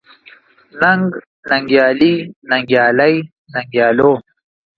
ننګ، ننګيالي ، ننګيالۍ، ننګيالو ،